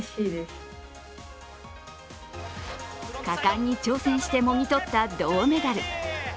果敢に挑戦してもぎ取った銅メダル。